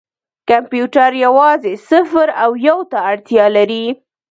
کمپیوټر یوازې صفر او یو ته اړتیا لري.